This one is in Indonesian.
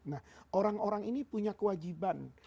nah orang orang ini punya kewajiban